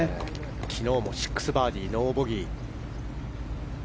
昨日も６バーディーノーボギー。